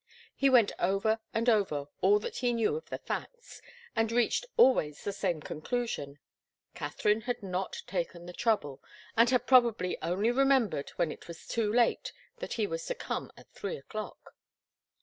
He went over and over all that he knew of the facts, and reached always the same conclusion Katharine had not taken the trouble, and had probably only remembered when it was too late that he was to come at three o'clock.